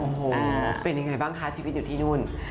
โอ้โหเป็นยังไงบ้างคะชีวิตอยู่ที่นู่น